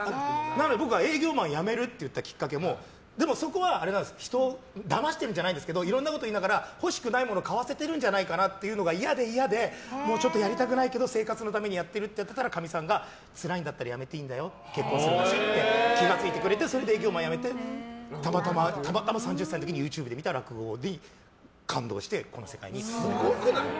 僕が営業マンを辞めるって言ったきっかけもでも、そこは人をだましてるんじゃないですがいろんなこと言いながら欲しくないものを買わせてるんじゃないかというのが嫌で嫌でちょっとやりたくないけど生活のためにやっていると言ってたらつらいんだったら辞めていいんだよって気が付いてくれてそれで営業マンを辞めてたまたま３０歳の時にＹｏｕＴｕｂｅで見た落語にすごくない？